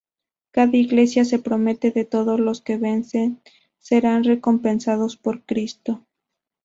Cada Iglesia se promete que todos los que vence serán recompensados por Cristo.